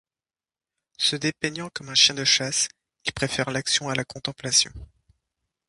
Se dépeignant comme un chien de chasse, il préfère l’action à la contemplation.